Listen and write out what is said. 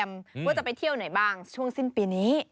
ว่าจะไปเที่ยวไหนบ้างช่วงสิ้นปีนี้